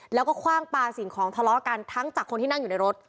แล้วก็คว่างปลาสิ่งของทะเลาะกันทั้งจากคนที่นั่งอยู่ในรถ